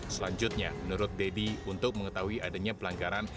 selanjutnya menurut deddy untuk mengetahui adanya pelanggaran